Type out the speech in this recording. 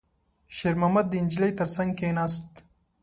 شېرمحمد د نجلۍ تر څنګ کېناست.